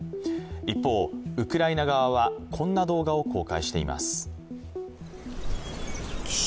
一方、ウクライナ側はこんな動画を公開しています。